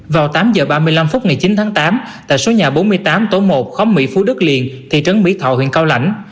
vào tám h ba mươi năm phút ngày chín tháng tám tại số nhà bốn mươi tám tổ một khóm mỹ phú đức liền thị trấn mỹ thọ huyện cao lãnh